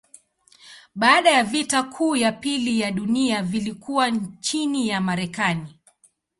Baada ya vita kuu ya pili ya dunia vilikuwa chini ya Marekani.